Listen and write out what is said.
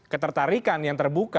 ketertarikan yang terjadi di kota kota